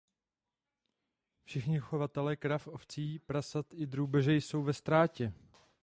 Všichni chovatelé krav, ovcí, prasat i drůbeže jsou ve ztrátě.